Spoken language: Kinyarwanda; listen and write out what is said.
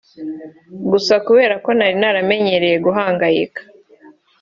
Gusa kuberako ko nari naramenyereye guhangayika